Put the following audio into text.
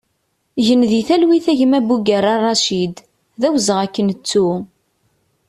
Gen di talwit a gma Bugerra Racid, d awezɣi ad k-nettu!